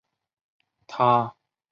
她曾冒险于二二八事件中抢救伤患。